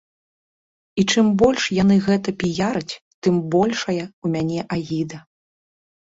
І чым больш яны гэта піяраць, тым большая ў мяне агіда.